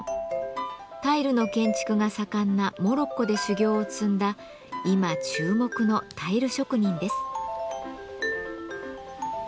タイルの建築が盛んなモロッコで修業を積んだ今注目のタイル職人です。